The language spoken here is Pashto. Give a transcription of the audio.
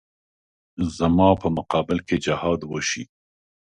زما په مقابل کې جهاد وشي.